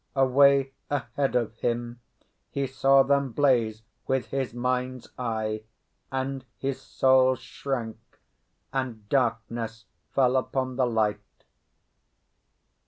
Away ahead of him he saw them blaze with his mind's eye, and his soul shrank, and darkness fell upon the light.